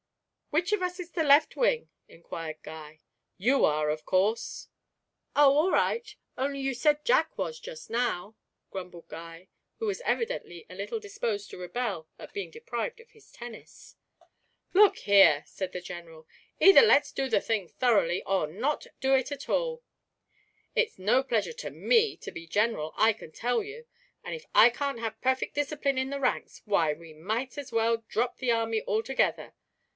'Which of us is the left wing?' inquired Guy. 'You are, of course.' 'Oh, all right; only you said Jack was just now,' grumbled Guy, who was evidently a little disposed to rebel at being deprived of his tennis. 'Look here,' said the General; 'either let's do the thing thoroughly, or not do it at all. It's no pleasure to me to be General, I can tell you; and if I can't have perfect discipline in the ranks why, we might as well drop the army altogether!'